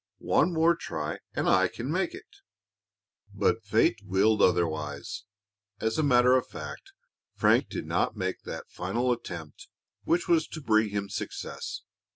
One more try and I can make it." But Fate willed otherwise. As a matter of fact, Frank did not make that final effort which was to bring him success.